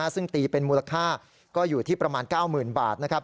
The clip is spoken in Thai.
ซึ่งตีเป็นมูลค่าก็อยู่ที่ประมาณ๙๐๐๐บาทนะครับ